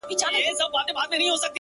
ما په قرآن کي د چا ولوستی صفت شېرينې’